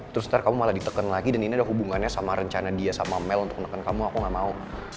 terus ntar kamu malah diteken lagi dan ini ada hubungannya sama rencana dia sama mel untuk menekan kamu aku gak mau